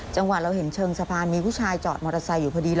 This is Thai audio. เราเห็นเชิงสะพานมีผู้ชายจอดมอเตอร์ไซค์อยู่พอดี